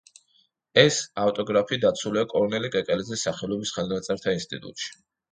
ეს ავტოგრაფი დაცულია კორნელი კეკელიძის სახელობის ხელნაწერთა ინსტიტუტში.